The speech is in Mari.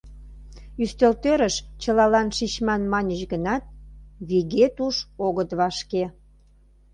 Ӱстелтӧрыш чылалан шичман маньыч гынат, виге туш огыт вашке.